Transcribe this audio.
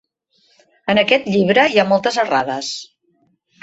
En aquest llibre hi ha moltes errades.